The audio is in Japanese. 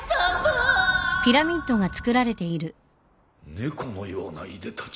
猫のようないでたち？